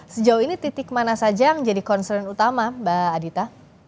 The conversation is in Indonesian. sejauh ini titik mana saja yang jadi concern utama mbak adita